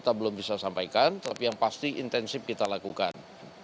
jadi ini yang saya sampaikan tapi yang pasti intensif kita lakukan